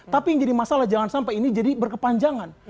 tapi yang jadi masalah jangan sampai ini jadi berkepanjangan